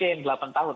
yang delapan tahun